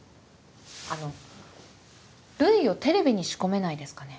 あのルイをテレビに仕込めないですかね？